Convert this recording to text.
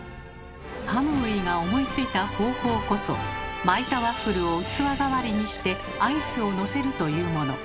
ハムウィが思いついた方法こそ巻いたワッフルを器代わりにしてアイスをのせるというもの。